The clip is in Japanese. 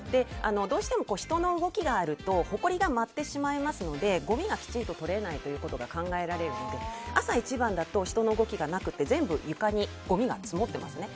どうしても人の動きがあるとほこりが舞ってしまいますのでごみがきちんと取れないことが考えられるので、朝一番だと人の動きがなくて全部床にごみが積もってますね。